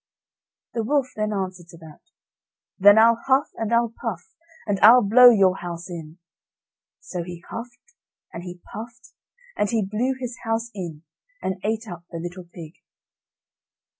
The wolf then answered to that: "Then I'll huff, and I'll puff, and I'll blow your house in." So he huffed, and he puffed, and he blew his house in, and ate up the little pig.